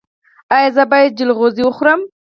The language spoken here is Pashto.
ایا زه باید جلغوزي وخورم؟